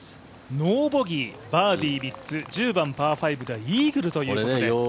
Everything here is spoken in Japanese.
ノーボギーバーディー３つ１０番パー５ではイーグルということで。